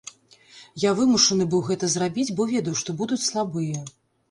Я вымушаны быў гэта зрабіць, бо ведаў, што будуць слабыя.